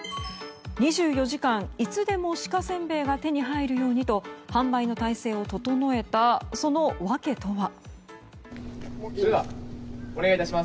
２４時間、いつでも鹿せんべいが手に入るようにと販売の体制を整えたその訳とは。